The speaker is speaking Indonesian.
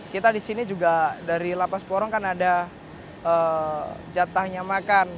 kita di sini juga dari lapas porong kan ada jatahnya makan